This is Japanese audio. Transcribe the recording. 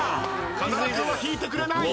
風間君は引いてくれない。